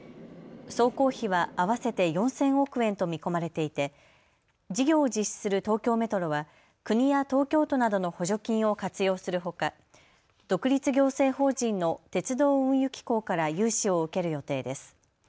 総工費は合わせて４０００億円と見込まれていて事業を実施する東京メトロは国や東京都などの補助金を活用するほか独立行政法人の鉄道・運輸機構から融資を受ける予定です。